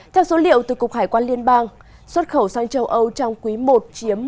theo số liệu từ cục hải quan liên bang xuất khẩu sang châu âu trong quý i